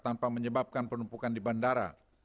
tanpa menyebabkan penumpukan di bandara